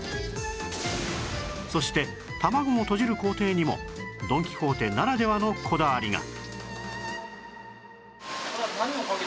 そして卵をとじる工程にもドン・キホーテならではのこだわりが！